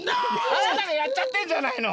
あなたがやっちゃってんじゃないの？